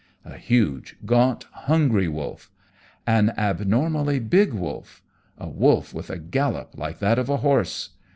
A huge, gaunt, hungry wolf! an abnormally big wolf! a wolf with a gallop like that of a horse!